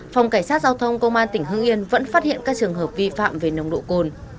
phòng cảnh sát giao thông công an tỉnh hương yên vẫn phát hiện các trường hợp vi phạm về nồng độ cồn